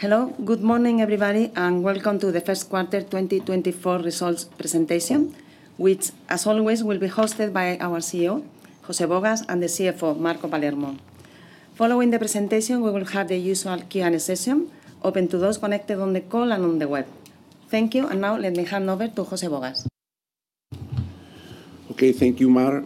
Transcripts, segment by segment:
Hello, good morning everybody, and welcome to the first quarter 2024 results presentation, which, as always, will be hosted by our CEO, José Bogas, and the CFO, Marco Palermo. Following the presentation, we will have the usual Q&A session, open to those connected on the call and on the web. Thank you, and now let me hand over to José Bogas. Okay, thank you, Mar.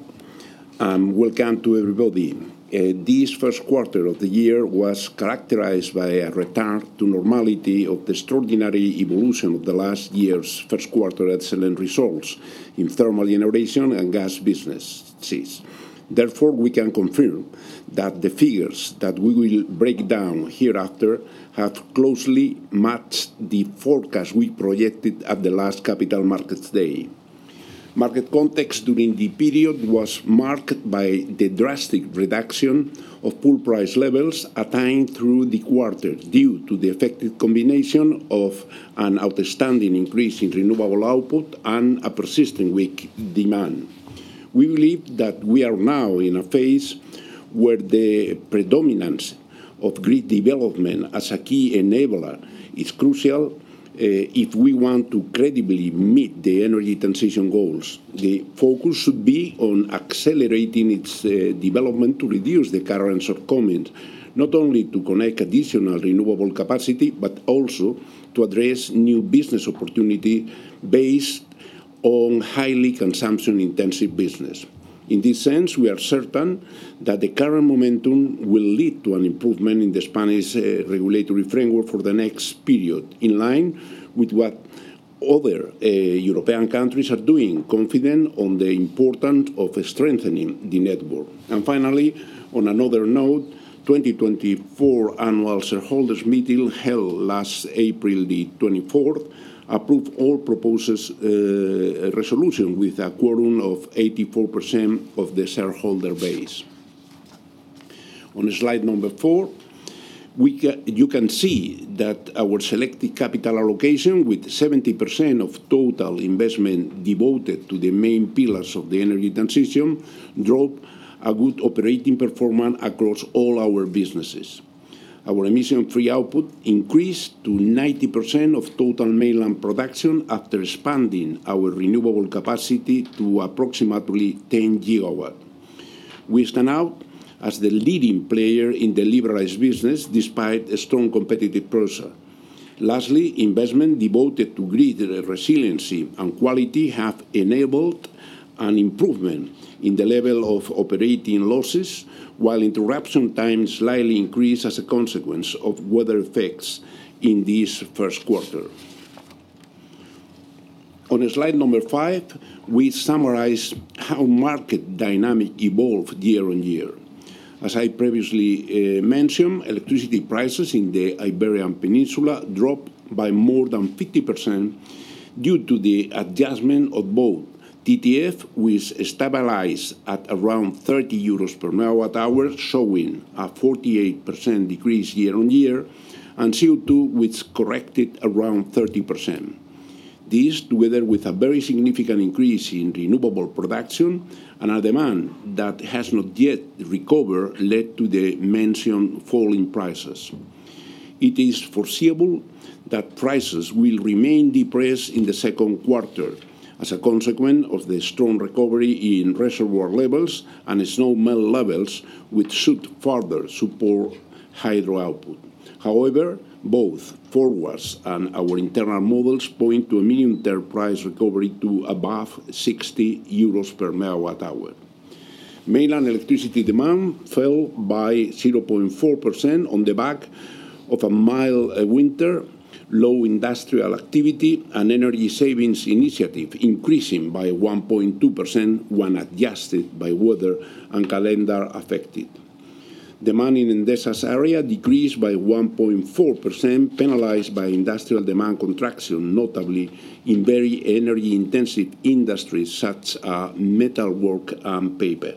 Welcome to everybody. This first quarter of the year was characterized by a return to normality of the extraordinary evolution of the last year's first quarter excellent results in thermal generation and gas businesses. Therefore, we can confirm that the figures that we will break down hereafter have closely matched the forecast we projected at the last Capital Markets Day. Market context during the period was marked by the drastic reduction of pool price levels attained through the quarter due to the effective combination of an outstanding increase in renewable output and a persistent weak demand. We believe that we are now in a phase where the predominance of grid development as a key enabler is crucial if we want to credibly meet the energy transition goals. The focus should be on accelerating its development to reduce the current shortcomings, not only to connect additional renewable capacity but also to address new business opportunities based on highly consumption-intensive business. In this sense, we are certain that the current momentum will lead to an improvement in the Spanish regulatory framework for the next period, in line with what other European countries are doing, confident in the importance of strengthening the network. And finally, on another note, the 2024 annual shareholders' meeting held last April 24th approved all proposed resolutions with a quorum of 84% of the shareholder base. On slide number four, you can see that our selected capital allocation, with 70% of total investment devoted to the main pillars of the energy transition, drove a good operating performance across all our businesses. Our emission-free output increased to 90% of total mainland production after expanding our renewable capacity to approximately 10 GW. We stand out as the leading player in the liberalized business despite a strong competitive process. Lastly, investment devoted to grid resiliency and quality has enabled an improvement in the level of operating losses, while interruption times slightly increased as a consequence of weather effects in this first quarter. On slide number five, we summarize how market dynamics evolve year-over-year. As I previously mentioned, electricity prices in the Iberian Peninsula dropped by more than 50% due to the adjustment of both TTF, which stabilized at around 30 euros per MWh, showing a 48% decrease year-over-year, and CO₂, which corrected around 30%. This, together with a very significant increase in renewable production and a demand that has not yet recovered, led to the mentioned falling prices. It is foreseeable that prices will remain depressed in the second quarter as a consequence of the strong recovery in reservoir levels and snowmelt levels, which should further support hydro output. However, both forwards and our internal models point to a medium-term price recovery to above 60 euros per MWh. Mainland electricity demand fell by 0.4% on the back of a mild winter, low industrial activity, and energy savings initiatives increasing by 1.2% when adjusted by weather and calendar effects. Demand in the Endesa area decreased by 1.4%, penalized by industrial demand contraction, notably in very energy-intensive industries such as metalwork and paper.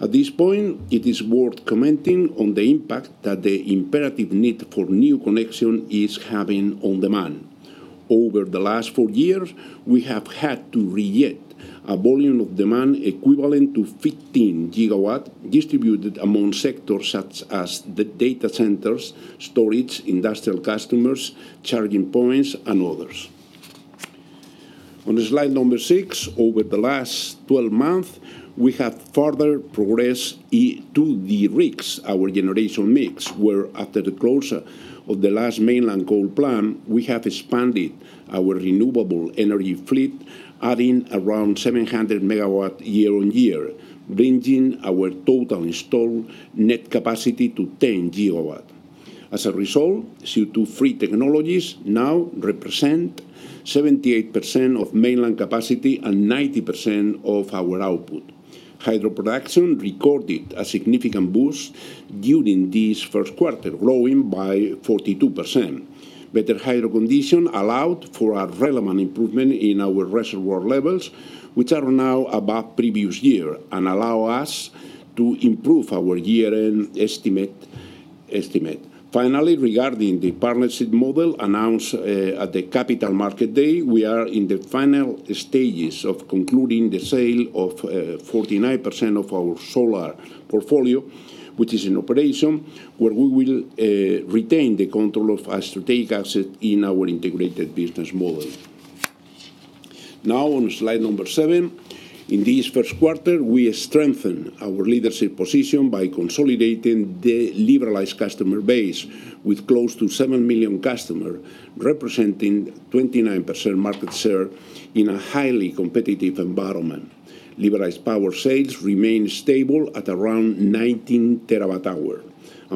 At this point, it is worth commenting on the impact that the imperative need for new connections is having on demand. Over the last four years, we have had to reject a volume of demand equivalent to 15 GW distributed among sectors such as data centers, storage, industrial customers, charging points, and others. On slide number six, over the last 12 months, we have further progressed to de-risk, our generation mix, where after the close of the last mainland coal plant, we have expanded our renewable energy fleet, adding around 700 MW year-on-year, ranging our total installed net capacity to 10 GW. As a result, CO2-free technologies now represent 78% of mainland capacity and 90% of our output. Hydroproduction recorded a significant boost during this first quarter, growing by 42%. Better hydro conditions allowed for a relevant improvement in our reservoir levels, which are now above previous years, and allow us to improve our year-end estimate. Finally, regarding the partnership model announced at the Capital Market Day, we are in the final stages of concluding the sale of 49% of our solar portfolio, which is in operation, where we will retain the control of strategic assets in our integrated business model. Now, on slide number seven, in this first quarter, we strengthened our leadership position by consolidating the liberalized customer base with close to 7 million customers, representing 29% market share in a highly competitive environment. Liberalized power sales remain stable at around 19 TWh.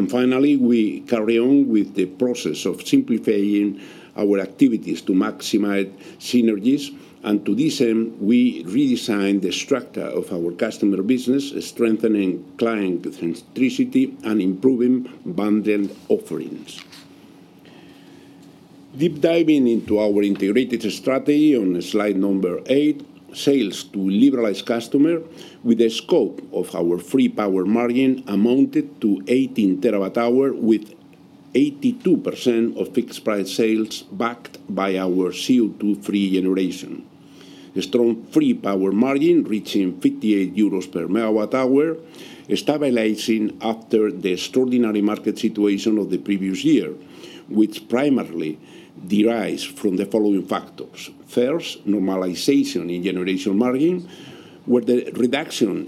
Finally, we carry on with the process of simplifying our activities to maximize synergies. To this end, we redesigned the structure of our customer business, strengthening client centricity and improving branded offerings. Deep diving into our integrated strategy on slide number eight, sales to liberalized customers, with the scope of our free power margin amounted to 18 TWh with 82% of fixed price sales backed by our CO2-free generation. A strong free power margin reaching 58 euros per MWh stabilized after the extraordinary market situation of the previous year, which primarily derives from the following factors. First, normalization in generation margin, where the reduction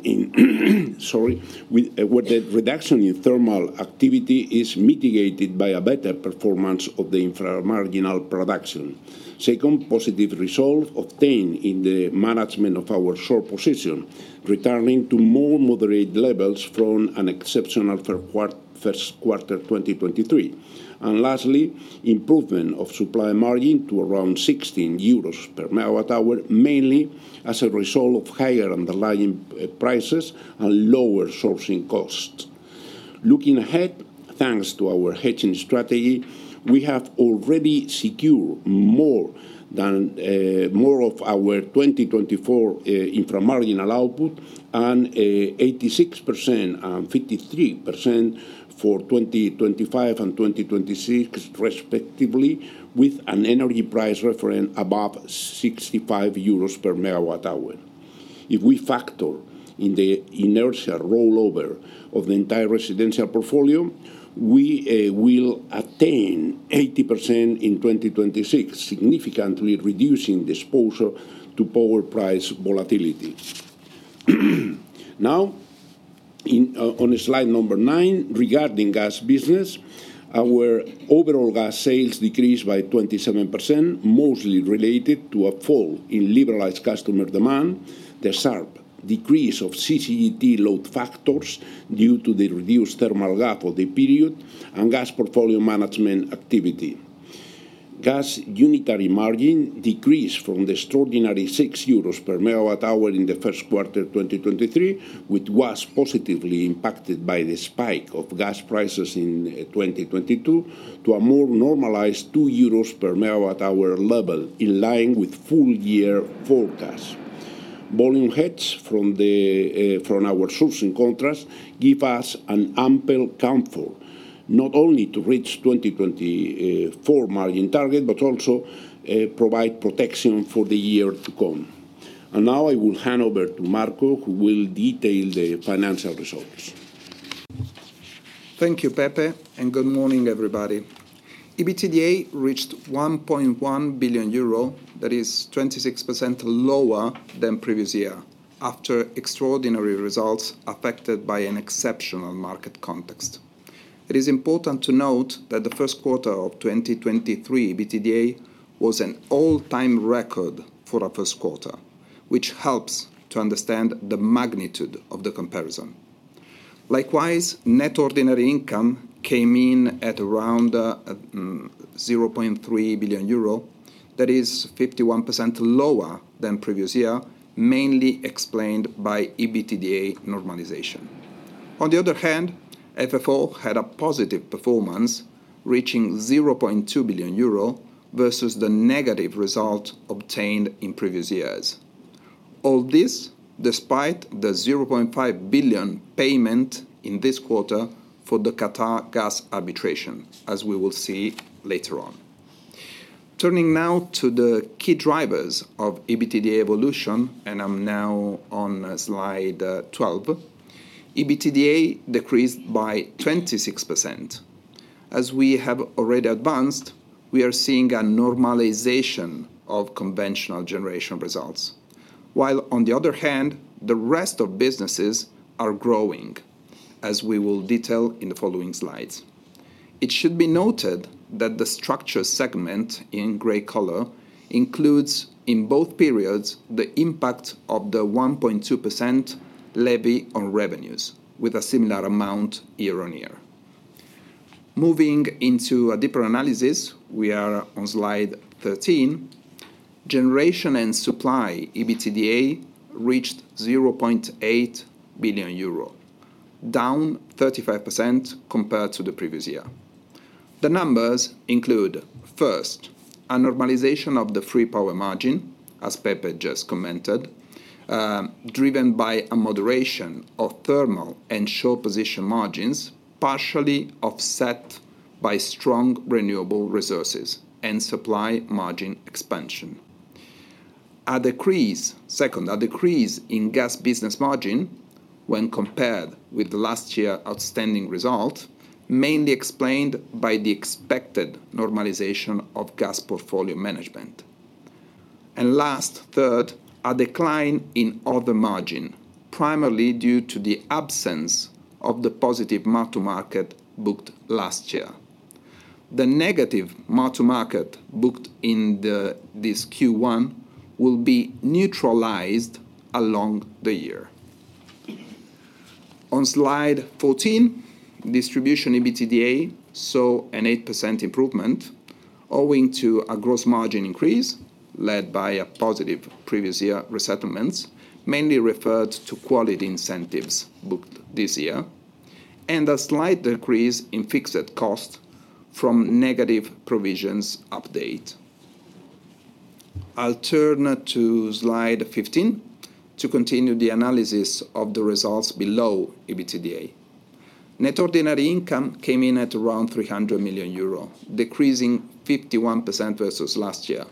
in thermal activity is mitigated by a better performance of the inframarginal production. Second, positive results obtained in the management of our short position, returning to more moderate levels from an exceptional first quarter 2023. And lastly, improvement of supply margin to around 16 euros per MWh, mainly as a result of higher underlying prices and lower sourcing costs. Looking ahead, thanks to our hedging strategy, we have already secured more of our 2024 inframarginal output, 86% and 53% for 2025 and 2026, respectively, with an energy price reference above 65 euros per MWh. If we factor in the inertia rollover of the entire residential portfolio, we will attain 80% in 2026, significantly reducing the exposure to power price volatility. Now, on slide number nine, regarding gas business, our overall gas sales decreased by 27%, mostly related to a fall in liberalized customer demand, the sharp decrease of CCGT load factors due to the reduced thermal gap of the period, and gas portfolio management activity. Gas unitary margin decreased from the extraordinary 6 euros per MWh in the first quarter 2023, which was positively impacted by the spike of gas prices in 2022, to a more normalized 2 euros per MWh level, in line with full-year forecasts. Volume hedges from our sourcing contracts give us an ample comfort, not only to reach the 2024 margin target, but also provide protection for the year-to-come. And now I will hand over to Marco, who will detail the financial results. Thank you, Pepe, and good morning, everybody. EBITDA reached 1.1 billion euro, that is 26% lower than previous year, after extraordinary results affected by an exceptional market context. It is important to note that the first quarter of 2023 EBITDA was an all-time record for a first quarter, which helps to understand the magnitude of the comparison. Likewise, net ordinary income came in at around 0.3 billion euro, that is 51% lower than previous year, mainly explained by EBITDA normalization. On the other hand, FFO had a positive performance, reaching 0.2 billion euro versus the negative result obtained in previous years. All this despite the 0.5 billion payment in this quarter for the Qatargas Arbitration, as we will see later on. Turning now to the key drivers of EBITDA evolution, and I'm now on slide 12, EBITDA decreased by 26%. As we have already advanced, we are seeing a normalization of conventional generation results, while on the other hand, the rest of businesses are growing, as we will detail in the following slides. It should be noted that the Structure segment in gray color includes, in both periods, the impact of the 1.2% levy on revenues, with a similar amount year-on-year. Moving into a deeper analysis, we are on slide 13. Generation and Supply EBITDA reached 0.8 billion euro, down 35% compared to the previous year. The numbers include, first, a normalization of the free power margin, as Pepe just commented, driven by a moderation of thermal and short position margins, partially offset by strong renewable resources and supply margin expansion. Second, a decrease in gas business margin, when compared with last year's outstanding result, mainly explained by the expected normalization of gas portfolio management. Last, third, a decline in other margin, primarily due to the absence of the positive market booked last year. The negative market booked in this Q1 will be neutralized along the year. On slide 14, distribution EBITDA saw an 8% improvement, owing to a gross margin increase, led by a positive previous year resettlements, mainly referred to quality incentives booked this year, and a slight decrease in fixed costs from negative provisions update. I'll turn to slide 15 to continue the analysis of the results below EBITDA. Net ordinary income came in at around 300 million euro, decreasing 51% versus last year,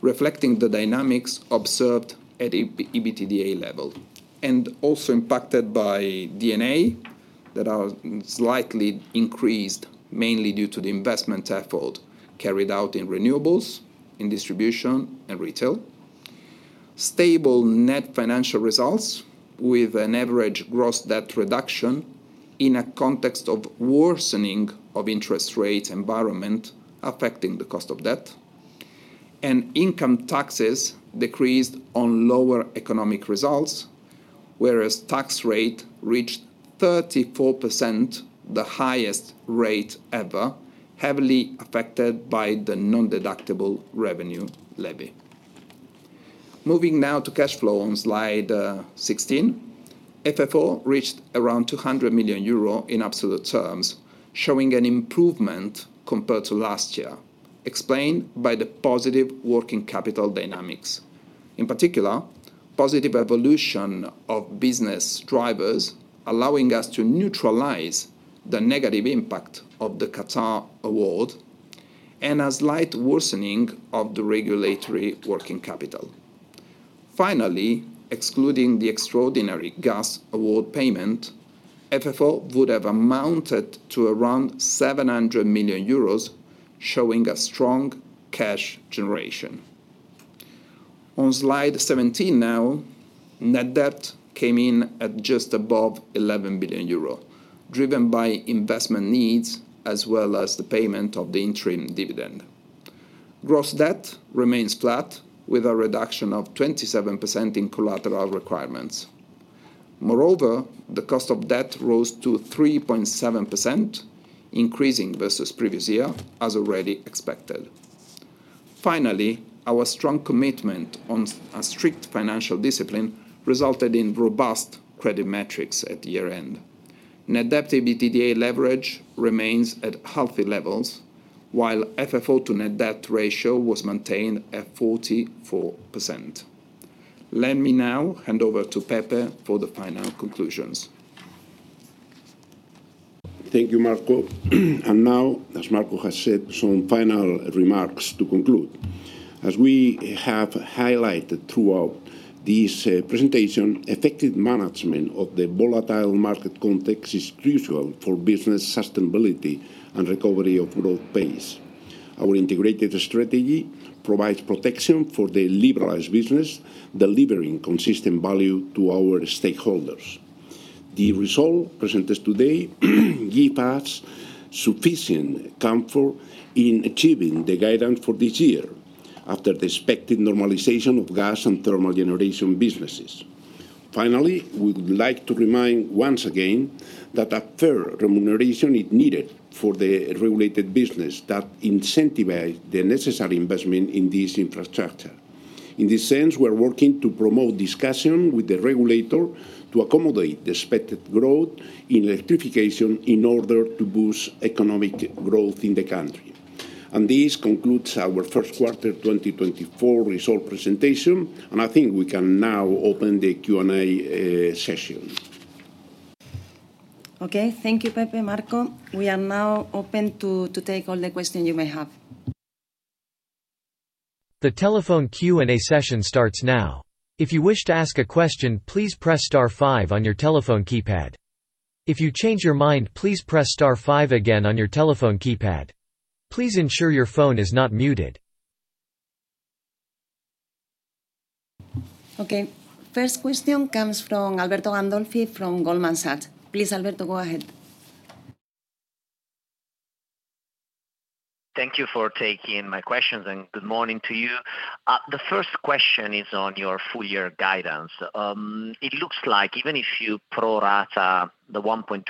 reflecting the dynamics observed at EBITDA level, and also impacted by D&A that are slightly increased, mainly due to the investment effort carried out in renewables, in distribution, and retail. Stable net financial results, with an average gross debt reduction in a context of worsening of interest rate environment affecting the cost of debt. Income taxes decreased on lower economic results, whereas tax rates reached 34%, the highest rate ever, heavily affected by the non-deductible revenue levy. Moving now to cash flow on slide 16, FFO reached around 200 million euro in absolute terms, showing an improvement compared to last year, explained by the positive working capital dynamics. In particular, positive evolution of business drivers allowing us to neutralize the negative impact of the Qatar award and a slight worsening of the regulatory working capital. Finally, excluding the extraordinary gas award payment, FFO would have amounted to around 700 million euros, showing a strong cash generation. On slide 17 now, net debt came in at just above 11 billion euro, driven by investment needs as well as the payment of the interim dividend. Gross debt remains flat, with a reduction of 27% in collateral requirements. Moreover, the cost of debt rose to 3.7%, increasing versus previous year, as already expected. Finally, our strong commitment on a strict financial discipline resulted in robust credit metrics at year-end. Net debt EBITDA leverage remains at healthy levels, while FFO to net debt ratio was maintained at 44%. Let me now hand over to Pepe for the final conclusions. Thank you, Marco. Now, as Marco has said, some final remarks to conclude. As we have highlighted throughout this presentation, effective management of the volatile market context is crucial for business sustainability and recovery of growth pace. Our integrated strategy provides protection for the liberalized business, delivering consistent value to our stakeholders. The result presented today gives us sufficient comfort in achieving the guidance for this year, after the expected normalization of gas and thermal generation businesses. Finally, we would like to remind once again that a fair remuneration is needed for the regulated business that incentivizes the necessary investment in this infrastructure. In this sense, we are working to promote discussion with the regulator to accommodate the expected growth in electrification in order to boost economic growth in the country. This concludes our first quarter 2024 result presentation, and I think we can now open the Q&A session. Okay, thank you, Pepe, Marco. We are now open to take all the questions you may have. The telephone Q&A session starts now. If you wish to ask a question, please press star five on your telephone keypad. If you change your mind, please press star five again on your telephone keypad. Please ensure your phone is not muted. Okay. First question comes from Alberto Gandolfi from Goldman Sachs. Please, Alberto, go ahead. Thank you for taking my questions, and good morning to you. The first question is on your full-year guidance. It looks like even if you pro-rata the 1.2%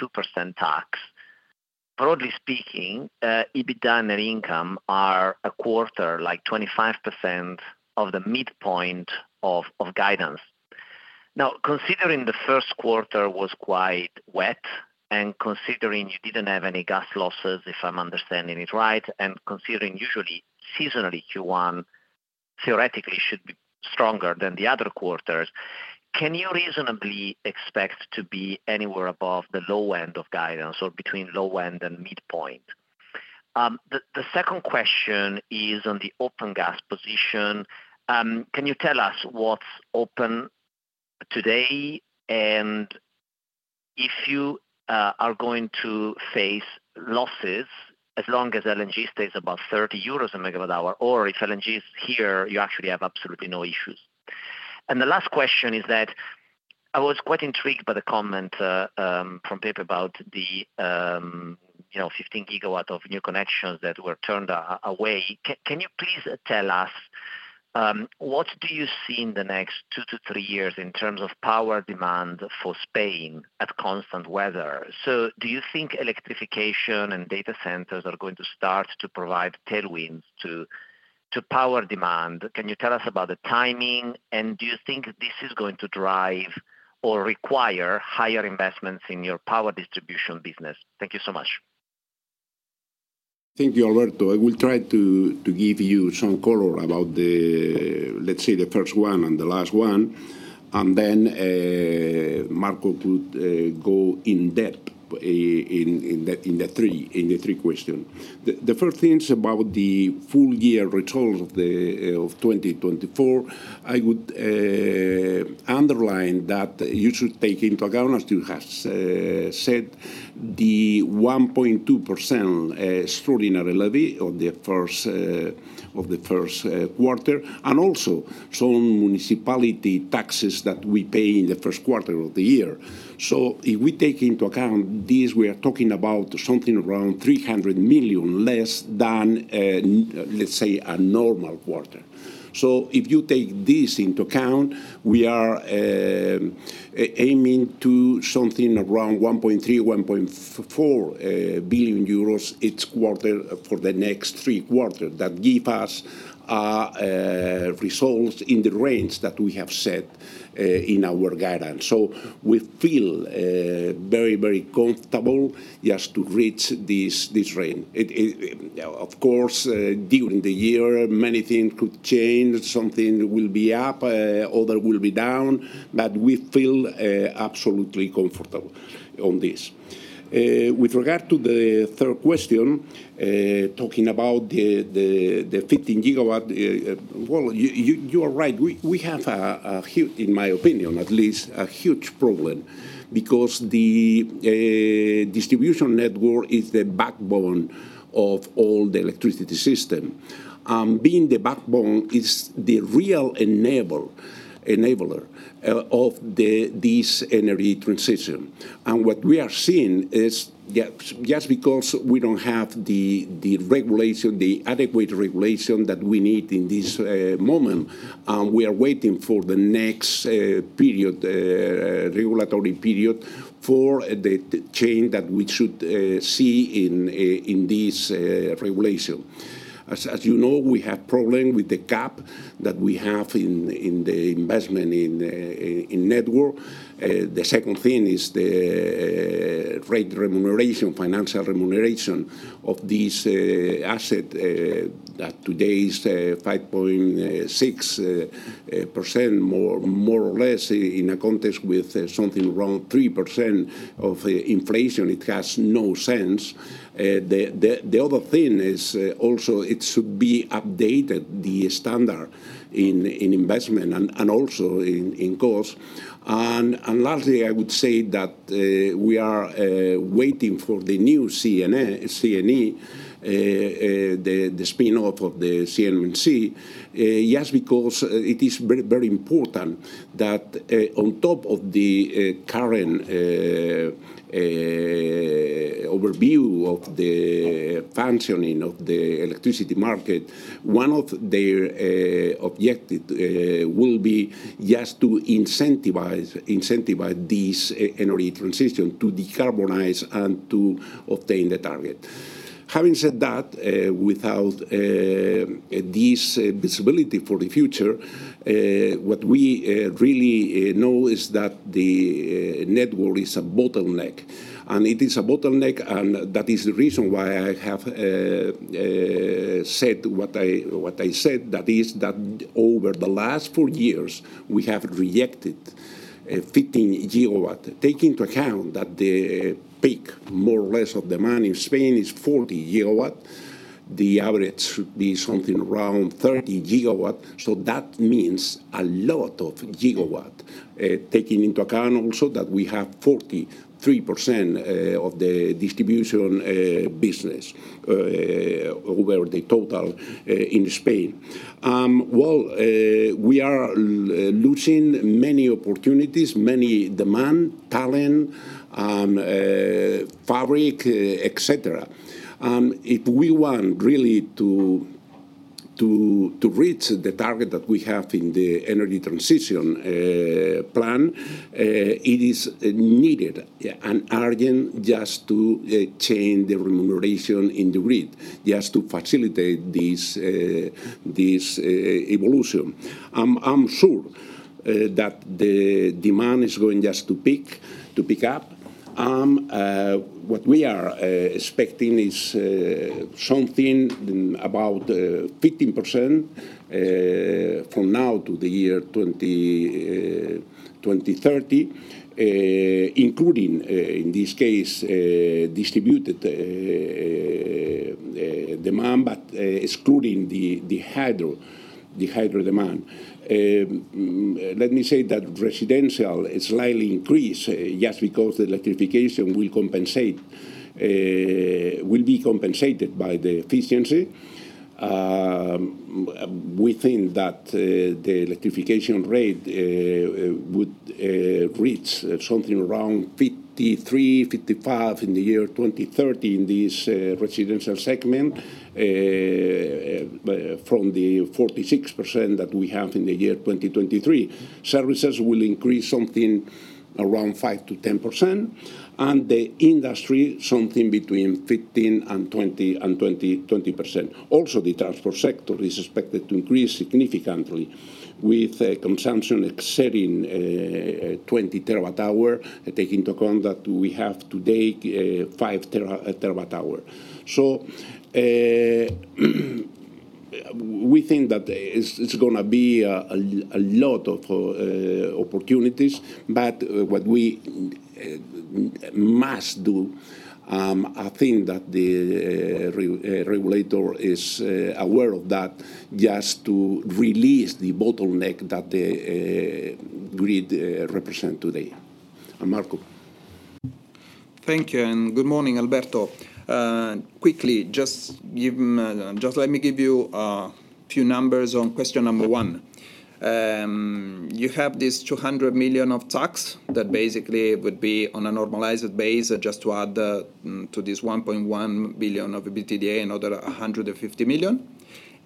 tax, broadly speaking, EBITDA and income are a quarter, like 25% of the midpoint of guidance. Now, considering the first quarter was quite wet, and considering you didn't have any gas losses, if I'm understanding it right, and considering usually seasonally Q1 theoretically should be stronger than the other quarters, can you reasonably expect to be anywhere above the low end of guidance, or between low end and midpoint? The second question is on the open gas position. Can you tell us what's open today, and if you are going to face losses as long as LNG stays above 30 euros/MWh, or if LNG is here, you actually have absolutely no issues? The last question is that I was quite intrigued by the comment from Pepe about the 15 GW of new connections that were turned away. Can you please tell us what do you see in the next two-three years in terms of power demand for Spain at constant weather? Do you think electrification and data centers are going to start to provide tailwinds to power demand? Can you tell us about the timing, and do you think this is going to drive or require higher investments in your power distribution business? Thank you so much. Thank you, Alberto. I will try to give you some color about, let's say, the first one and the last one, and then Marco could go in depth in the three questions. The first thing is about the full-year results of 2024. I would underline that you should take into account, as you have said, the 1.2% extraordinary levy of the first quarter, and also some municipality taxes that we pay in the first quarter of the year. So if we take into account this, we are talking about something around 300 million less than, let's say, a normal quarter. So if you take this into account, we are aiming to something around 1.3 billion-1.4 billion euros each quarter for the next three quarters. That gives us results in the range that we have set in our guidance. So we feel very, very comfortable just to reach this range. Of course, during the year, many things could change. Something will be up, other will be down, but we feel absolutely comfortable on this. With regard to the third question, talking about the 15 GW, well, you are right. We have a huge, in my opinion at least, a huge problem because the distribution network is the backbone of all the electricity system. Being the backbone is the real enabler of this energy transition. And what we are seeing is just because we don't have the adequate regulation that we need in this moment, we are waiting for the next regulatory period for the change that we should see in this regulation. As you know, we have a problem with the cap that we have in the investment in network. The second thing is the financial remuneration of this asset that today is 5.6%, more or less, in a context with something around 3% of inflation. It has no sense. The other thing is also it should be updated, the standard in investment and also in cost. And lastly, I would say that we are waiting for the new CNE, the spin-off of the CNMC, just because it is very important that on top of the current overview of the functioning of the electricity market, one of their objectives will be just to incentivize this energy transition to decarbonize and to obtain the target. Having said that, without this visibility for the future, what we really know is that the network is a bottleneck. It is a bottleneck, and that is the reason why I have said what I said, that is that over the last four years, we have rejected 15 GW. Taking into account that the peak, more or less, of demand in Spain is 40 GW, the average should be something around 30 GW. That means a lot of gigawatt. Taking into account also that we have 43% of the distribution business over the total in Spain. Well, we are losing many opportunities, many demand, talent, fabric, etc. If we want really to reach the target that we have in the energy transition plan, it is needed and urgent just to change the remuneration in the grid, just to facilitate this evolution. I'm sure that the demand is going just to pick up. What we are expecting is something about 15% from now to the year 2030, including in this case, distributed demand, but excluding the hydro demand. Let me say that residential slightly increase just because the electrification will be compensated by the efficiency. We think that the electrification rate would reach something around 53-55 in the year 2030 in this residential segment from the 46% that we have in the year 2023. Services will increase something around 5%-10%, and the industry something between 15%-20%. Also, the transport sector is expected to increase significantly with consumption exceeding 20 TWh, taking into account that we have today 5 TWh. So we think that it's going to be a lot of opportunities, but what we must do, I think that the regulator is aware of that just to release the bottleneck that the grid represents today. And Marco. Thank you. Good morning, Alberto. Quickly, just let me give you a few numbers on question number one. You have this 200 million of tax that basically would be on a normalized base, just to add to this 1.1 billion of EBITDA another 150 million.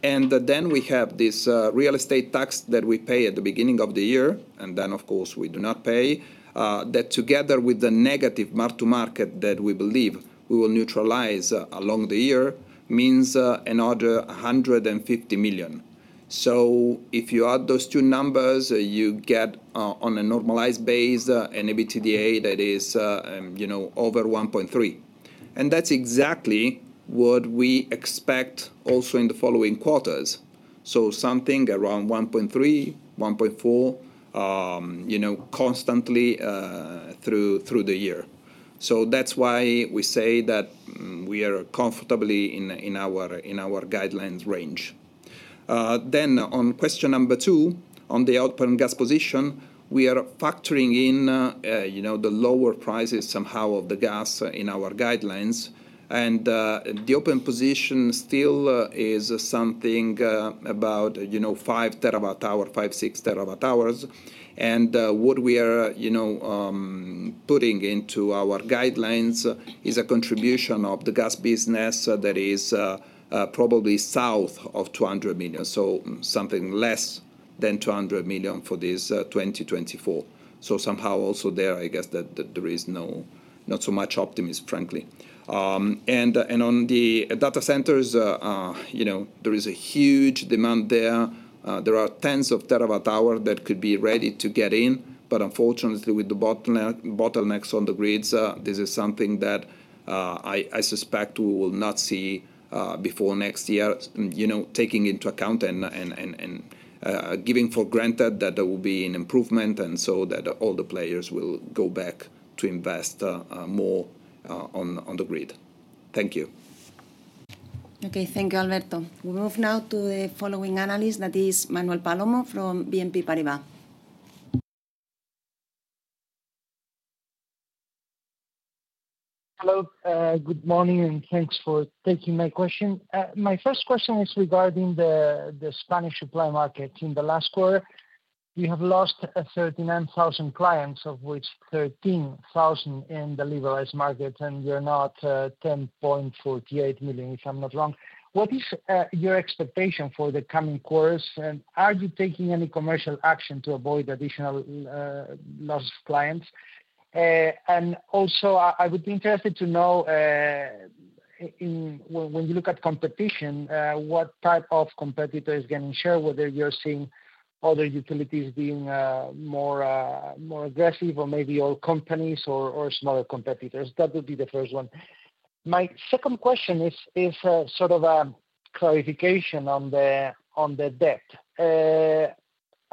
Then we have this real estate tax that we pay at the beginning of the year, and then, of course, we do not pay, that together with the negative mark-to-market that we believe we will neutralize along the year means another 150 million. So if you add those two numbers, you get on a normalized base an EBITDA that is over 1.3 billion. And that's exactly what we expect also in the following quarters. So something around 1.3 billion-1.4 billion, constantly through the year. So that's why we say that we are comfortably in our guidelines range. Then on question number two, on the open gas position, we are factoring in the lower prices somehow of the gas in our guidelines. And the open position still is something about 5 TWh, 5 TWh-6 TWh. And what we are putting into our guidelines is a contribution of the gas business that is probably south of 200 million, so something less than 200 million for this 2024. So somehow also there, I guess that there is not so much optimism, frankly. And on the data centers, there is a huge demand there. There are tens of terawatt-hour that could be ready to get in, but unfortunately, with the bottlenecks on the grids, this is something that I suspect we will not see before next year, taking into account and giving for granted that there will be an improvement and so that all the players will go back to invest more on the grid. Thank you. Okay, thank you, Alberto. We move now to the following analyst, that is Manuel Palomo from BNP Paribas. Hello. Good morning, and thanks for taking my question. My first question is regarding the Spanish supply market. In the last quarter, you have lost 39,000 clients, of which 13,000 in the liberalized market, and you're not 10.48 million, if I'm not wrong. What is your expectation for the coming quarters, and are you taking any commercial action to avoid additional loss of clients? And also, I would be interested to know, when you look at competition, what type of competitor is getting share, whether you're seeing other utilities being more aggressive or maybe all companies or smaller competitors. That would be the first one. My second question is sort of a clarification on the debt,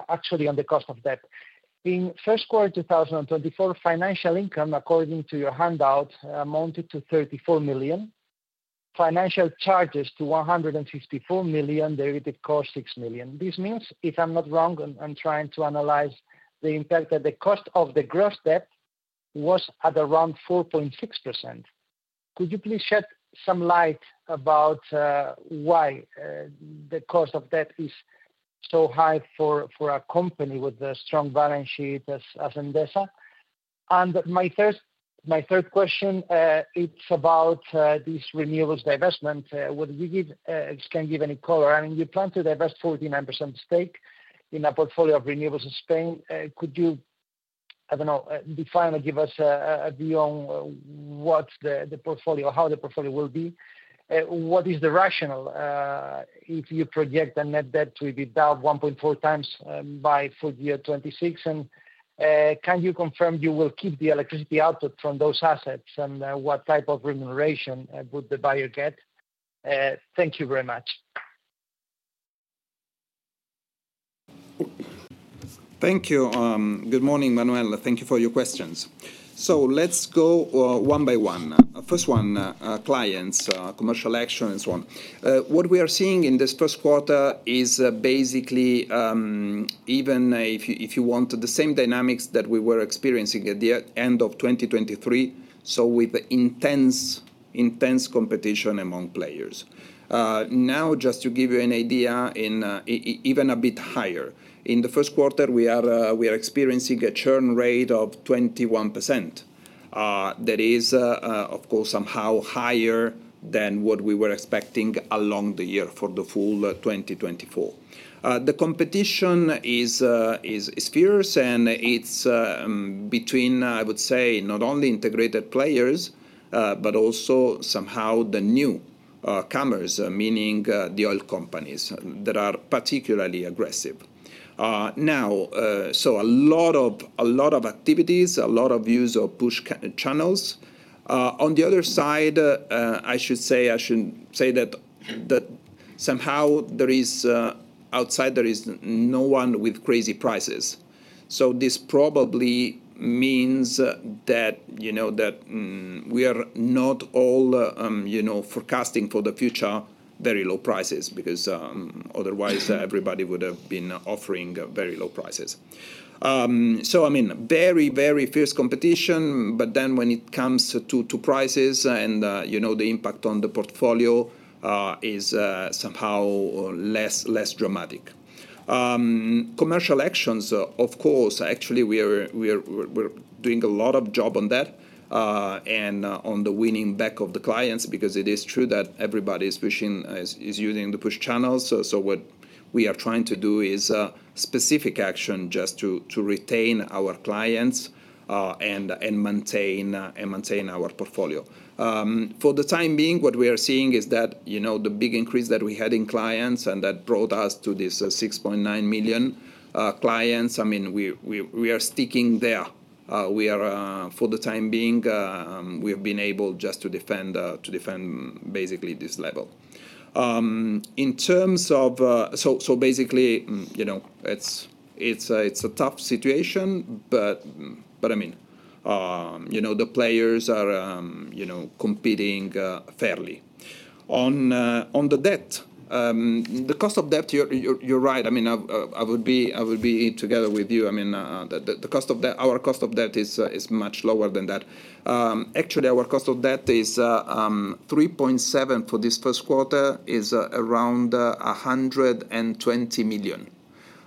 actually on the cost of debt. In first quarter 2024, financial income, according to your handout, amounted to 34 million. Financial charges to 154 million, derivative cost 6 million. This means, if I'm not wrong, I'm trying to analyze the impact that the cost of the gross debt was at around 4.6%. Could you please shed some light about why the cost of debt is so high for a company with a strong balance sheet as Endesa? And my third question, it's about this renewables divestment. Can you give any color? I mean, you plan to divest 49% stake in a portfolio of renewables in Spain. Could you, I don't know, define or give us a view on how the portfolio will be? What is the rationale if you project a net debt to be down 1.4x by full year 2026? And can you confirm you will keep the electricity output from those assets, and what type of remuneration would the buyer get? Thank you very much. Thank you. Good morning, Manuel. Thank you for your questions. So let's go one by one. First one, clients, commercial action, and so on. What we are seeing in this first quarter is basically, even if you want, the same dynamics that we were experiencing at the end of 2023, so with intense competition among players. Now, just to give you an idea, even a bit higher. In the first quarter, we are experiencing a churn rate of 21%. That is, of course, somehow higher than what we were expecting along the year for the full 2024. The competition is fierce, and it's between, I would say, not only integrated players, but also somehow the newcomers, meaning the oil companies that are particularly aggressive. So a lot of activities, a lot of use of push channels. On the other side, I should say that somehow outside, there is no one with crazy prices. So this probably means that we are not all forecasting for the future very low prices because otherwise, everybody would have been offering very low prices. So, I mean, very, very fierce competition, but then when it comes to prices and the impact on the portfolio is somehow less dramatic. Commercial actions, of course, actually, we're doing a lot of job on that and on the winning back of the clients because it is true that everybody is using the push channels. So what we are trying to do is specific action just to retain our clients and maintain our portfolio. For the time being, what we are seeing is that the big increase that we had in clients and that brought us to this 6.9 million clients. I mean, we are sticking there. For the time being, we have been able just to defend basically this level. In terms of so basically, it's a tough situation, but I mean, the players are competing fairly. On the debt, the cost of debt, you're right. I mean, I would be together with you. I mean, our cost of debt is much lower than that. Actually, our cost of debt is 3.7 for this first quarter, is around 120 million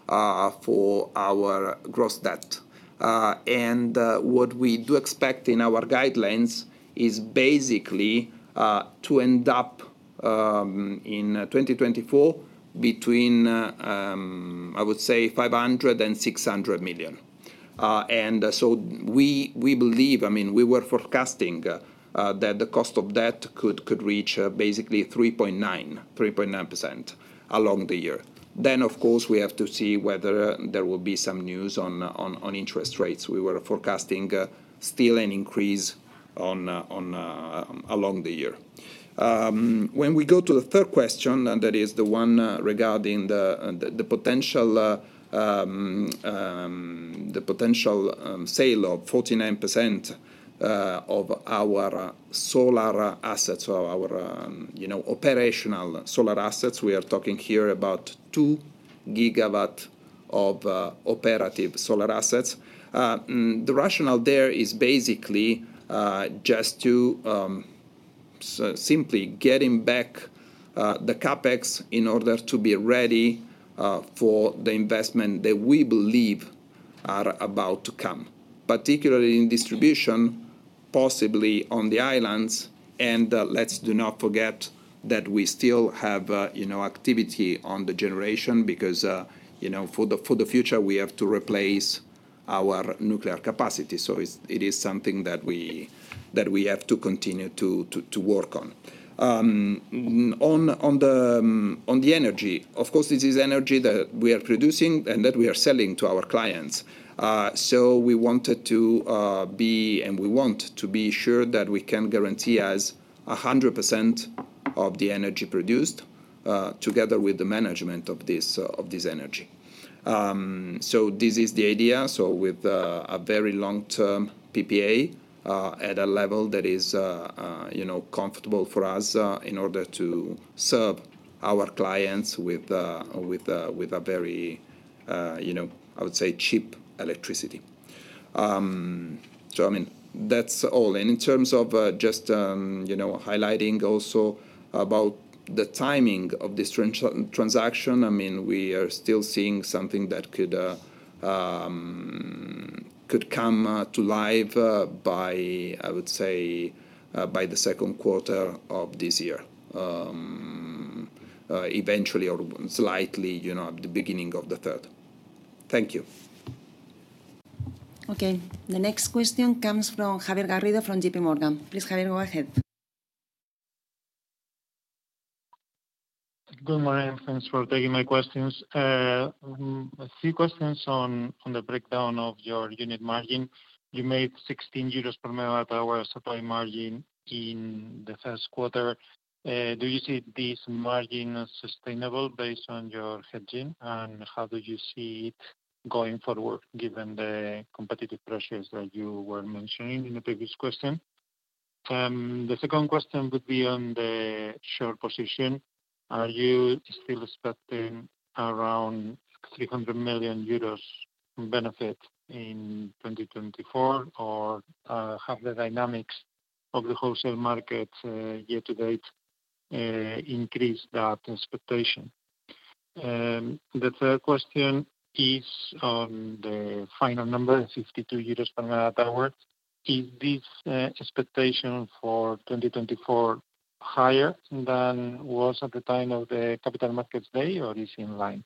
for our gross debt. And what we do expect in our guidelines is basically to end up in 2024 between, I would say, 500 million and 600 million. And so. We believe, I mean, we were forecasting that the cost of debt could reach basically 3.9% along the year. Then, of course, we have to see whether there will be some news on interest rates. We were forecasting still an increase along the year. When we go to the third question, that is the one regarding the potential sale of 49% of our solar assets, so our operational solar assets, we are talking here about 2 GW of operative solar assets. The rationale there is basically just to simply getting back the CapEx in order to be ready for the investment that we believe are about to come, particularly in distribution, possibly on the islands. Let's do not forget that we still have activity on the generation because for the future, we have to replace our nuclear capacity. So it is something that we have to continue to work on. On the energy, of course, this is energy that we are producing and that we are selling to our clients. So we wanted to be and we want to be sure that we can guarantee us 100% of the energy produced together with the management of this energy. So this is the idea, so with a very long-term PPA at a level that is comfortable for us in order to serve our clients with a very, I would say, cheap electricity. So, I mean, that's all. And in terms of just highlighting also about the timing of this transaction, I mean, we are still seeing something that could come to life by, I would say, by the second quarter of this year, eventually or slightly at the beginning of the third. Thank you. Okay. The next question comes from Javier Garrido from JPMorgan. Please, Javier, go ahead. Good morning. Thanks for taking my questions. A few questions on the breakdown of your unit margin. You made 16 euros per MWh supply margin in the first quarter. Do you see this margin as sustainable based on your hedging, and how do you see it going forward given the competitive pressures that you were mentioning in the previous question? The second question would be on the short position. Are you still expecting around 300 million euros benefit in 2024, or have the dynamics of the wholesale markets year-to-date increased that expectation? The third question is on the final number, 52 euros per MWh. Is this expectation for 2024 higher than it was at the time of the Capital Market Day, or is it in line?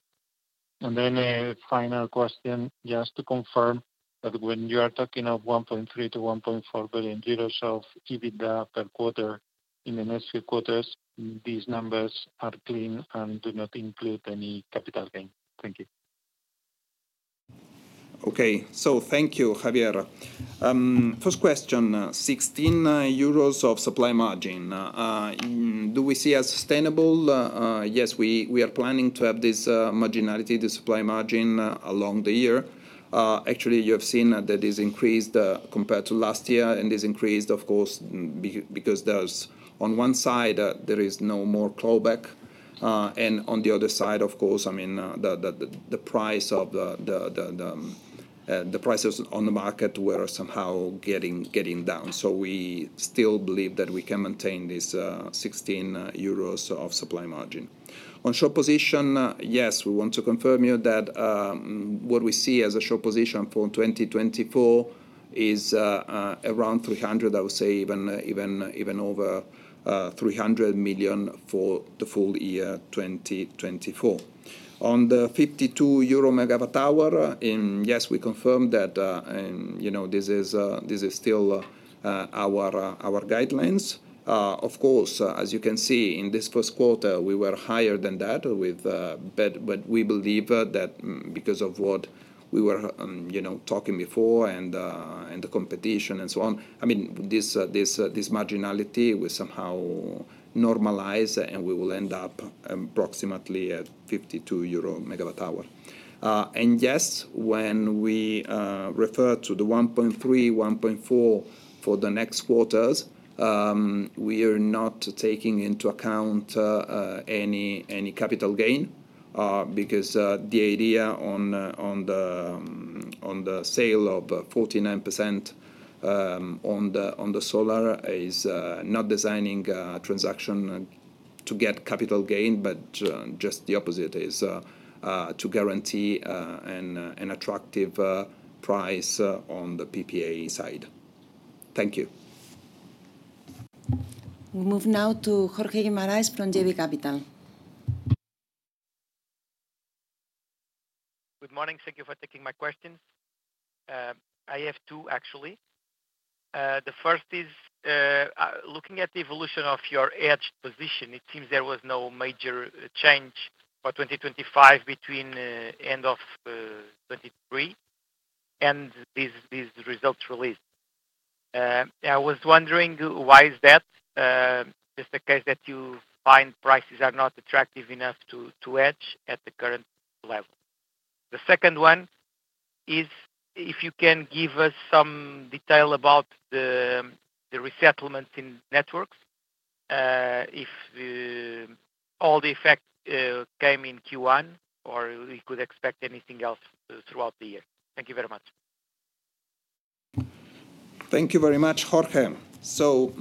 And then a final question, just to confirm that when you are talking of 1.3 billion-1.4 billion euros of EBITDA per quarter, in the next few quarters, these numbers are clean and do not include any capital gain. Thank you. Okay. So thank you, Javier. First question, 16 euros of supply margin. Do we see as sustainable? Yes, we are planning to have this marginality, the supply margin, along the year. Actually, you have seen that it is increased compared to last year, and it is increased, of course, because on one side, there is no more clawback. And on the other side, of course, I mean, the price of the prices on the market were somehow getting down. So we still believe that we can maintain this 16 euros of supply margin. On short position, yes, we want to confirm here that what we see as a short position for 2024 is around 300, I would say, even over 300 million for the full year 2024. On the 52 euro/MWh, yes, we confirm that this is still our guidelines. Of course, as you can see, in this first quarter, we were higher than that, but we believe that because of what we were talking before and the competition and so on, I mean, this marginality will somehow normalize, and we will end up approximately at 52 euro/MWh. And yes, when we refer to the 1.3 billion-1.4 billion for the next quarters, we are not taking into account any capital gain because the idea on the sale of 49% on the solar is not designing a transaction to get capital gain, but just the opposite is to guarantee an attractive price on the PPA side. Thank you. We move now to Jorge Guimarães from JB Capital. Good morning. Thank you for taking my questions. I have two, actually. The first is looking at the evolution of your hedged position, it seems there was no major change for 2025 between end of 2023 and these results released. I was wondering why is that, just in case that you find prices are not attractive enough to hedge at the current level. The second one is if you can give us some detail about the resettlement in networks, if all the effect came in Q1, or we could expect anything else throughout the year. Thank you very much. Thank you very much, Jorge. So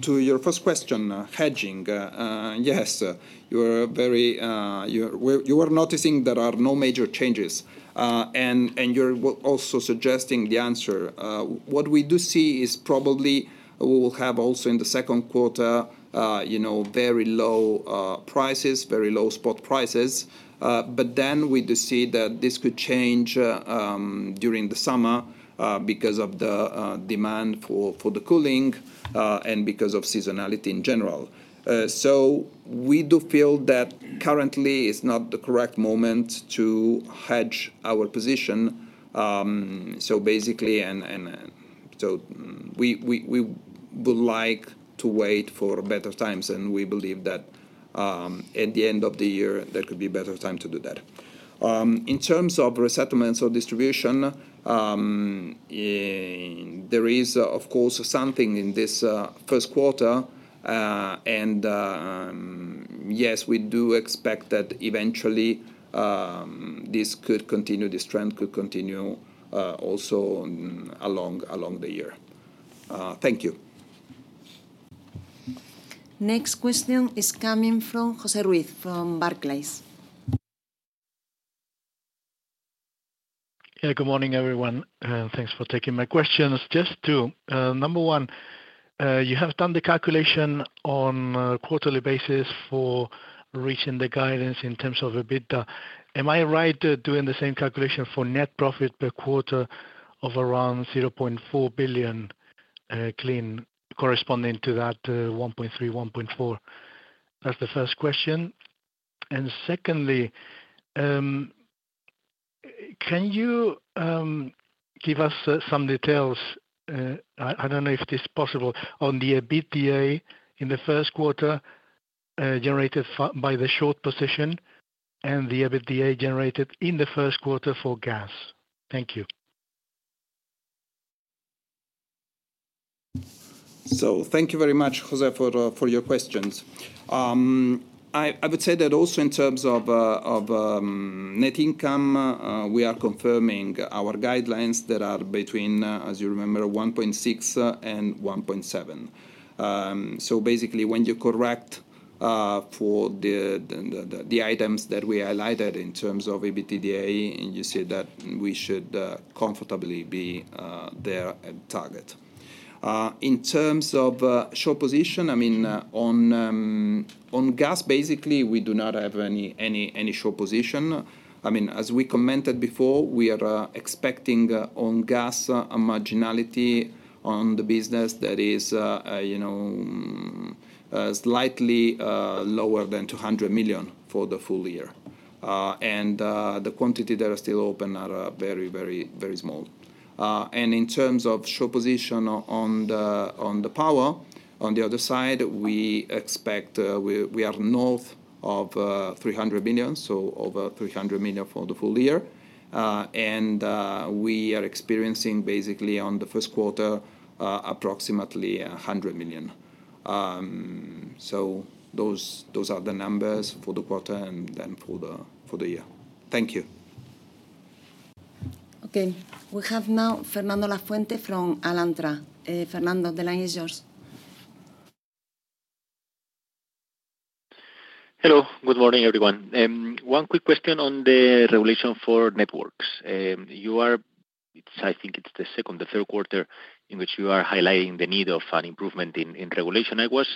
to your first question, hedging, yes, you were noticing there are no major changes, and you're also suggesting the answer. What we do see is probably we will have also in the second quarter very low prices, very low spot prices. But then we do see that this could change during the summer because of the demand for the cooling and because of seasonality in general. So we do feel that currently, it's not the correct moment to hedge our position. So basically, and so we would like to wait for better times, and we believe that at the end of the year, there could be a better time to do that. In terms of resettlements or distribution, there is, of course, something in this first quarter. Yes, we do expect that eventually, this could continue, this trend could continue also along the year. Thank you. Next question is coming from José Ruiz from Barclays. Yeah, good morning, everyone. Thanks for taking my questions. Just two. Number one, you have done the calculation on a quarterly basis for reaching the guidance in terms of EBITDA. Am I right doing the same calculation for net profit per quarter of around 0.4 billion clean corresponding to that 1.3 billion-1.4 billion? That's the first question. Secondly, can you give us some details? I don't know if this is possible on the EBITDA in the first quarter generated by the short position and the EBITDA generated in the first quarter for gas. Thank you. So thank you very much, José, for your questions. I would say that also in terms of net income, we are confirming our guidelines that are between, as you remember, 1.6 billion and 1.7 billion. So basically, when you correct for the items that we highlighted in terms of EBITDA, you see that we should comfortably be there at target. In terms of short position, I mean, on gas, basically, we do not have any short position. I mean, as we commented before, we are expecting on gas a marginality on the business that is slightly lower than 200 million for the full year. And the quantity that is still open are very, very, very small. And in terms of short position on the power, on the other side, we expect we are north of 300 million, so over 300 million for the full year. And we are experiencing, basically, on the first quarter, approximately 100 million. So those are the numbers for the quarter and then for the year. Thank you. Okay. We have now Fernando Lafuente from Alantra. Fernando, the line is yours. Hello. Good morning, everyone. One quick question on the regulation for networks. I think it's the second, the third quarter in which you are highlighting the need of an improvement in regulation. I was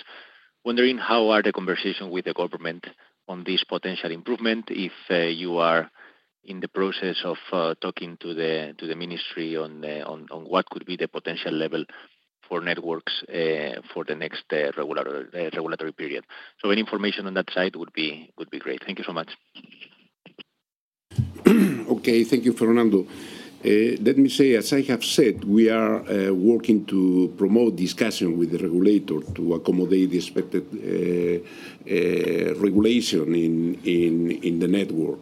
wondering how are the conversations with the government on this potential improvement if you are in the process of talking to the ministry on what could be the potential level for networks for the next regulatory period. So any information on that side would be great. Thank you so much. Okay. Thank you, Fernando. Let me say, as I have said, we are working to promote discussion with the regulator to accommodate the expected regulation in the network.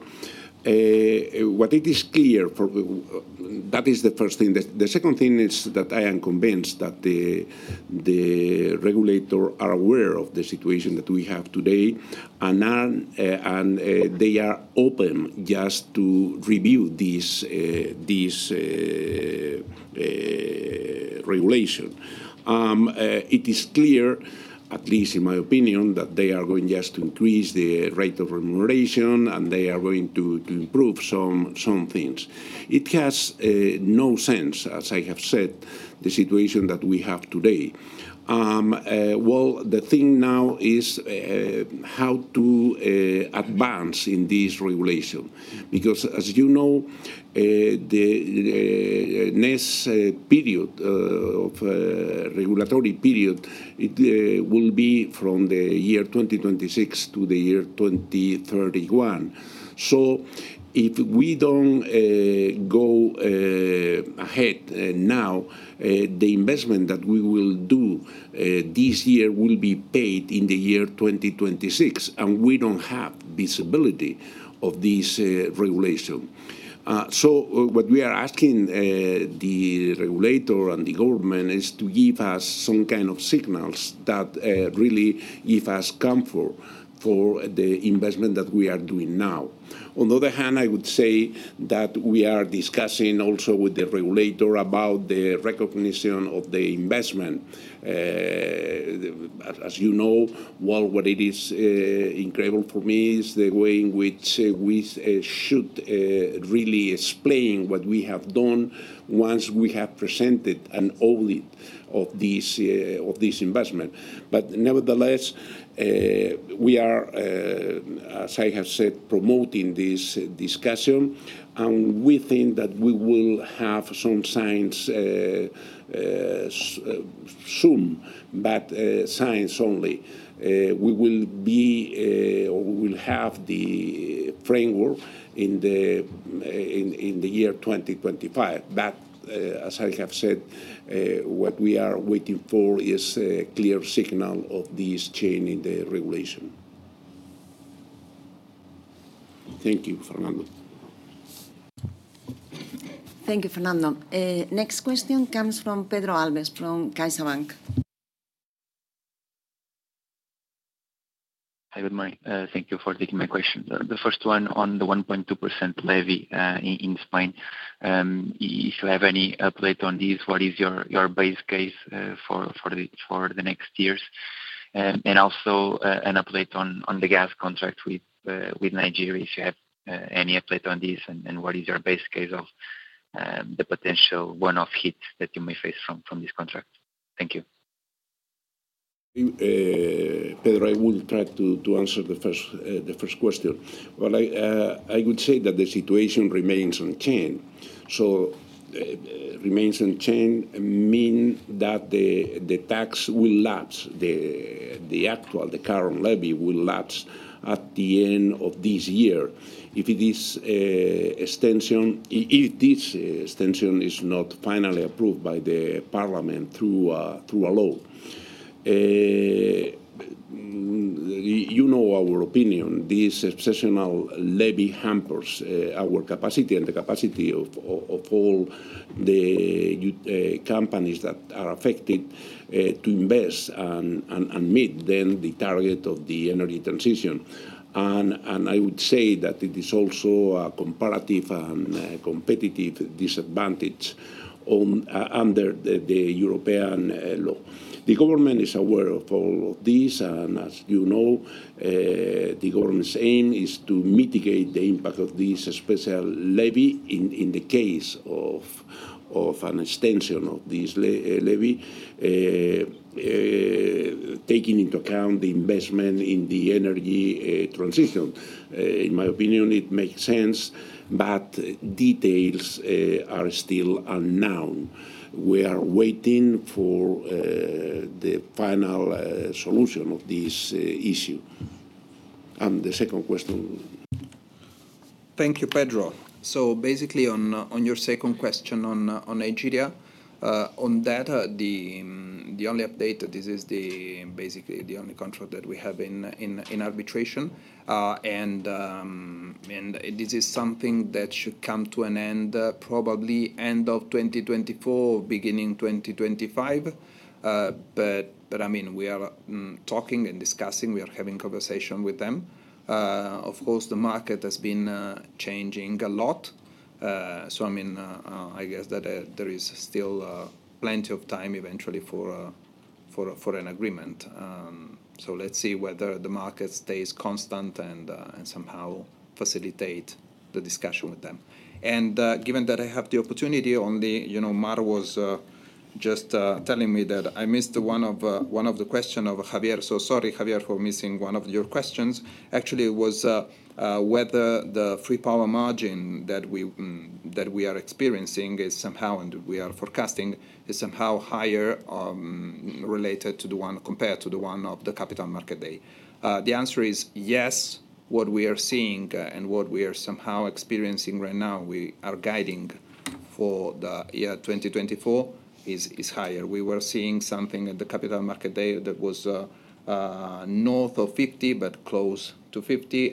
What it is clear for that is the first thing. The second thing is that I am convinced that the regulator is aware of the situation that we have today, and they are open just to review this regulation. It is clear, at least in my opinion, that they are going just to increase the rate of remuneration, and they are going to improve some things. It has no sense, as I have said, the situation that we have today. Well, the thing now is how to advance in this regulation because, as you know, the next period of regulatory period will be from the year 2026 to the year 2031. So if we don't go ahead now, the investment that we will do this year will be paid in the year 2026, and we don't have visibility of this regulation. So what we are asking the regulator and the government is to give us some kind of signals that really give us comfort for the investment that we are doing now. On the other hand, I would say that we are discussing also with the regulator about the recognition of the investment. As you know, well, what it is incredible for me is the way in which we should really explain what we have done once we have presented an audit of this investment. But nevertheless, we are, as I have said, promoting this discussion, and we think that we will have some signs soon, but signs only. We will be or we will have the framework in the year 2025. As I have said, what we are waiting for is a clear signal of this change in the regulation. Thank you, Fernando. Thank you, Fernando. Next question comes from Pedro Alves from CaixaBank. Hi, Mar. Thank you for taking my question. The first one on the 1.2% levy in Spain. If you have any update on this, what is your base case for the next years? And also an update on the gas contract with Nigeria, if you have any update on this, and what is your base case of the potential one-off hit that you may face from this contract. Thank you. Pedro, I will try to answer the first question. Well, I would say that the situation remains unchanged. So remains unchanged means that the tax will lapse. The actual, the current levy will lapse at the end of this year if this extension is not finally approved by the parliament through a law. You know our opinion. This exceptional levy hampers our capacity and the capacity of all the companies that are affected to invest and meet then the target of the energy transition. I would say that it is also a comparative and competitive disadvantage under the European law. The government is aware of all of this, and as you know, the government's aim is to mitigate the impact of this special levy in the case of an extension of this levy, taking into account the investment in the energy transition. In my opinion, it makes sense, but details are still unknown. We are waiting for the final solution of this issue. The second question. Thank you, Pedro. So basically, on your second question on Nigeria, on that, the only update, this is basically the only contract that we have in arbitration. And this is something that should come to an end probably end of 2024, beginning 2025. But I mean, we are talking and discussing. We are having conversation with them. Of course, the market has been changing a lot. So I mean, I guess that there is still plenty of time eventually for an agreement. So let's see whether the market stays constant and somehow facilitate the discussion with them. And given that I have the opportunity, only Mar was just telling me that I missed one of the questions of Javier. So sorry, Javier, for missing one of your questions. Actually, it was whether the Free Power Margin that we are experiencing is somehow and we are forecasting is somehow higher related to the one compared to the one of the Capital Market Day. The answer is yes. What we are seeing and what we are somehow experiencing right now, we are guiding for the year 2024, is higher. We were seeing something at the Capital Market Day that was north of 50 but close to 50,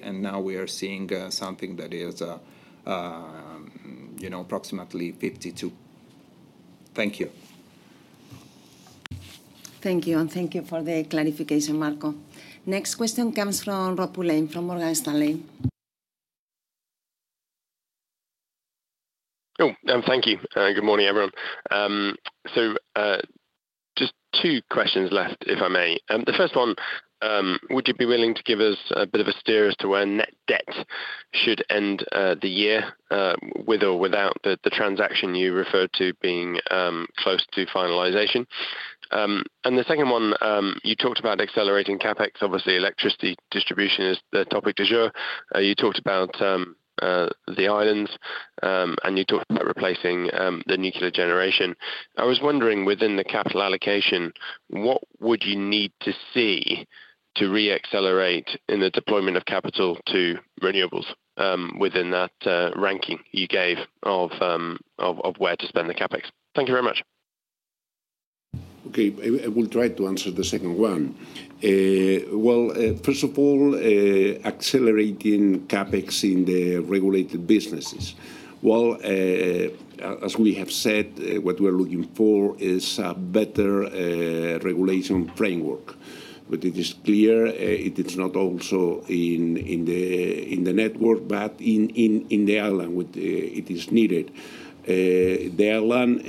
and now we are seeing something that is approximately 52. Thank you. Thank you. Thank you for the clarification, Marco. Next question comes from Rob Pulleyn from Morgan Stanley. Oh, thank you. Good morning, everyone. So just two questions left, if I may. The first one, would you be willing to give us a bit of a steer as to where net debt should end the year with or without the transaction you referred to being close to finalization? And the second one, you talked about accelerating CapEx. Obviously, electricity distribution is the topic du jour. You talked about the islands, and you talked about replacing the nuclear generation. I was wondering, within the capital allocation, what would you need to see to reaccelerate in the deployment of capital to renewables within that ranking you gave of where to spend the CapEx? Thank you very much. Okay. I will try to answer the second one. Well, first of all, accelerating CapEx in the regulated businesses. Well, as we have said, what we are looking for is a better regulation framework. But it is clear it is not also in the network but in the island where it is needed. The island,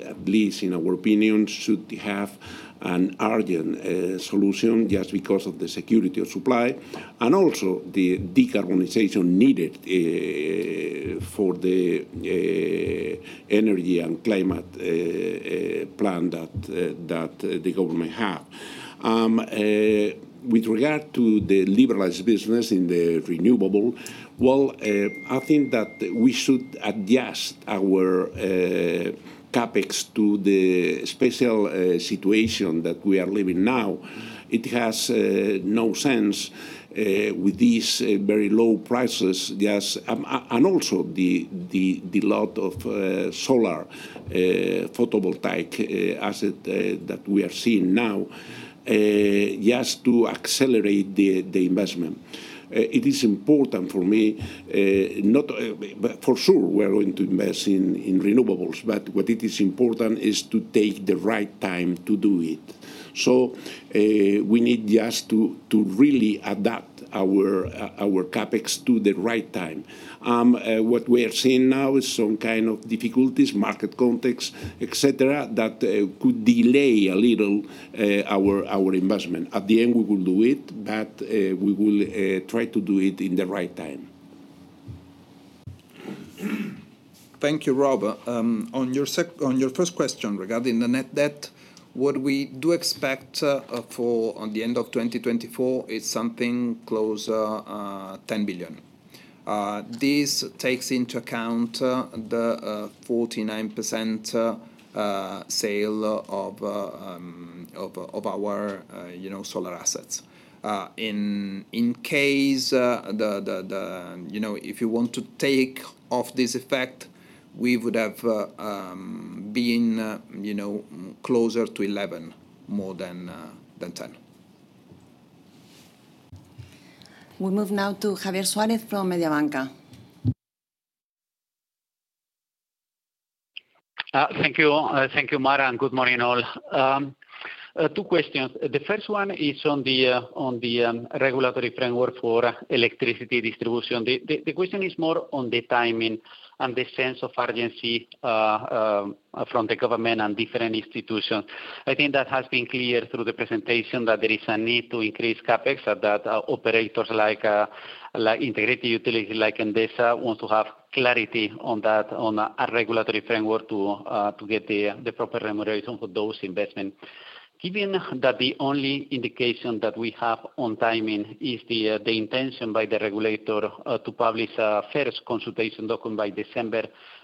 at least in our opinion, should have an urgent solution just because of the security of supply and also the decarbonization needed for the energy and climate plan that the government have. With regard to the liberalized business in the renewable, well, I think that we should adjust our CapEx to the special situation that we are living now. It has no sense with these very low prices just and also the lot of solar photovoltaic asset that we are seeing now just to accelerate the investment. It is important for me, not for sure, we are going to invest in renewables, but what it is important is to take the right time to do it. So we need just to really adapt our CapEx to the right time. What we are seeing now is some kind of difficulties, market context, etc., that could delay a little our investment. At the end, we will do it, but we will try to do it in the right time. Thank you, Rob. On your first question regarding the net debt, what we do expect for the end of 2024 is something close to 10 billion. This takes into account the 49% sale of our solar assets. In case, if you want to take off this effect, we would have been closer to 11 billion, more than 10 billion. We move now to Javier Suárez from Mediobanca. Thank you, Mar, and good morning all. Two questions. The first one is on the regulatory framework for electricity distribution. The question is more on the timing and the sense of urgency from the government and different institutions. I think that has been clear through the presentation that there is a need to increase CapEx and that operators like Integrated Utilities like Endesa want to have clarity on a regulatory framework to get the proper remuneration for those investments. Given that the only indication that we have on timing is the intention by the regulator to publish a first consultation document by December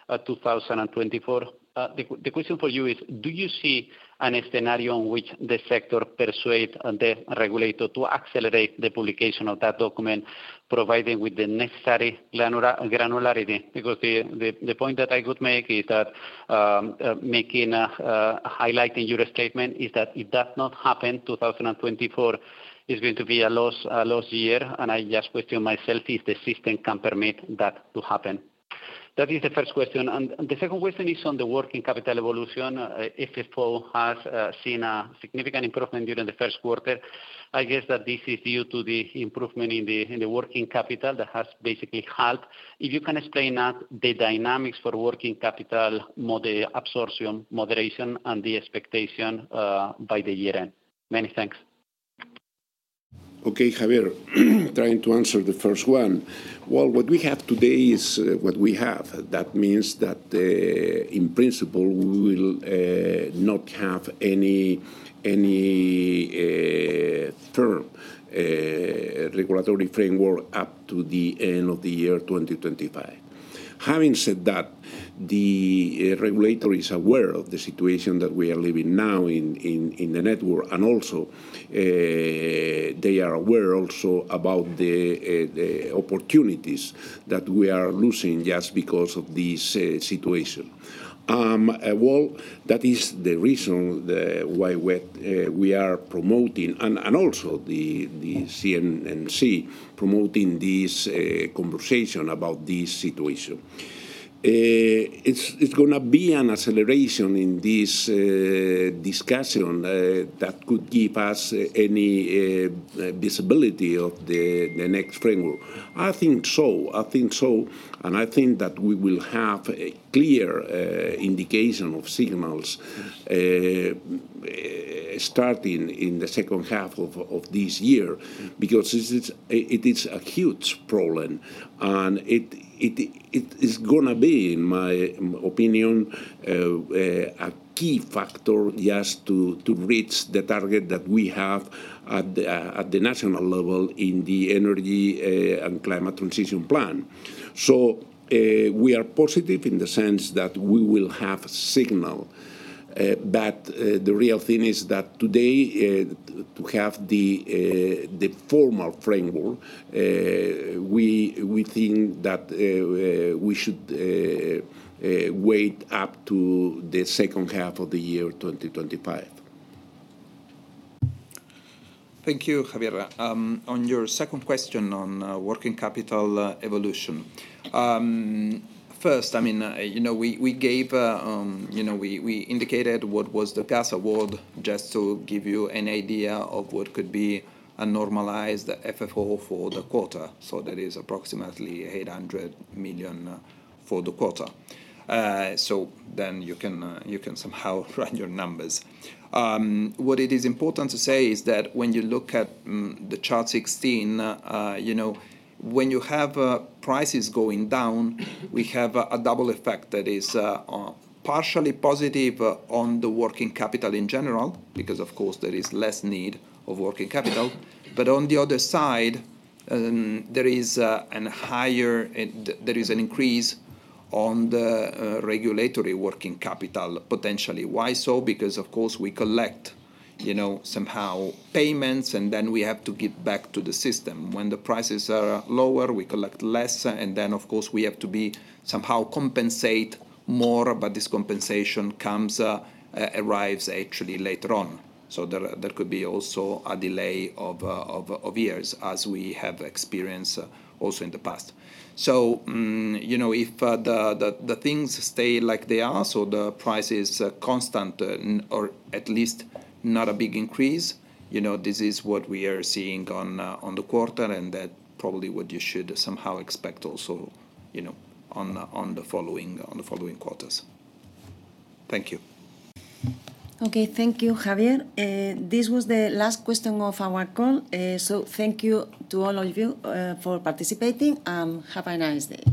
2024, the question for you is, do you see a scenario in which the sector persuades the regulator to accelerate the publication of that document providing with the necessary granularity? Because the point that I could make is that making a highlight in your statement is that if that does not happen, 2024 is going to be a lost year, and I just question myself if the system can permit that to happen. That is the first question. And the second question is on the working capital evolution. If FFO has seen a significant improvement during the first quarter, I guess that this is due to the improvement in the working capital that has basically helped. If you can explain that, the dynamics for working capital absorption, moderation, and the expectation by the year-end. Many thanks. Okay, Javier, trying to answer the first one. Well, what we have today is what we have. That means that, in principle, we will not have any firm regulatory framework up to the end of the year 2025. Having said that, the regulator is aware of the situation that we are living now in the network, and also they are aware also about the opportunities that we are losing just because of this situation. Well, that is the reason why we are promoting and also the CNMC promoting this conversation about this situation. It's going to be an acceleration in this discussion that could give us any visibility of the next framework. I think so. I think so. And I think that we will have a clear indication of signals starting in the second half of this year because it is a huge problem. It is going to be, in my opinion, a key factor just to reach the target that we have at the national level in the energy and climate transition plan. We are positive in the sense that we will have signal. The real thing is that today, to have the formal framework, we think that we should wait up to the second half of the year 2025. Thank you, Javier. On your second question on working capital evolution, first, I mean, we gave we indicated what was the gas award just to give you an idea of what could be a normalized FFO for the quarter. So there is approximately 800 million for the quarter. So then you can somehow run your numbers. What it is important to say is that when you look at the chart 16, when you have prices going down, we have a double effect that is partially positive on the working capital in general because, of course, there is less need of working capital. But on the other side, there is a higher there is an increase on the regulatory working capital potentially. Why so? Because, of course, we collect somehow payments, and then we have to give back to the system. When the prices are lower, we collect less, and then, of course, we have to be somehow compensate more, but this compensation arrives actually later on. So there could be also a delay of years as we have experienced also in the past. So if the things stay like they are so the price is constant or at least not a big increase, this is what we are seeing on the quarter, and that's probably what you should somehow expect also on the following quarters. Thank you. Okay. Thank you, Javier. This was the last question of our call. Thank you to all of you for participating, and have a nice day.